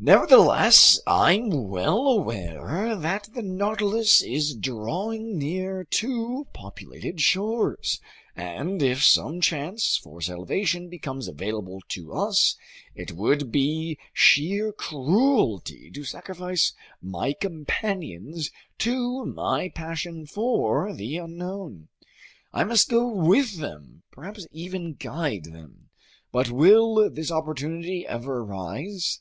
Nevertheless, I'm well aware that the Nautilus is drawing near to populated shores, and if some chance for salvation becomes available to us, it would be sheer cruelty to sacrifice my companions to my passion for the unknown. I must go with them, perhaps even guide them. But will this opportunity ever arise?